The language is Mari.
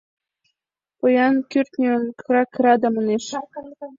Поян кӱртньым кыра-кыра да манеш: